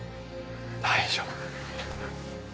大丈夫。